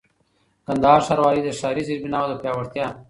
کندهار ښاروالۍ د ښاري زېربناوو د پياوړتيا